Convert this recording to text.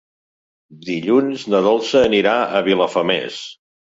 Dilluns na Dolça anirà a Vilafamés.